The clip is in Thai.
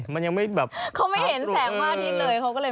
เขาไม่เห็นแสงมาทิ้งเลยเหรอ